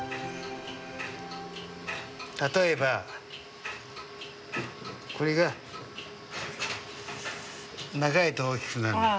例えばこれが長いと大きくなる。